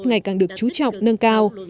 ngày càng được trú trọng nâng cao